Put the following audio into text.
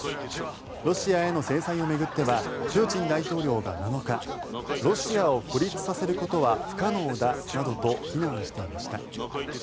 ロシアへの制裁を巡ってはプーチン大統領が７日ロシアを孤立させることは不可能だなどと非難していました。